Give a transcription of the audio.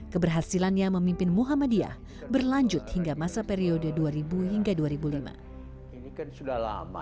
keberhasilannya memimpin muhammadiyah berlanjut hingga masa periode dua ribu hingga dua ribu lima